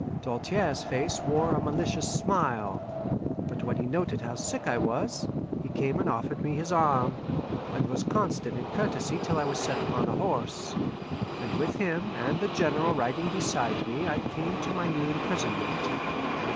Doltaire's face wore a malicious smile; but when he noted how sick I was, he came and offered me his arm, and was constant in courtesy till I was set upon a horse; and with him and the General riding beside me I came to my new imprisonment.